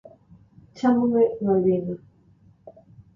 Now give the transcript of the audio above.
Chámome Balbina.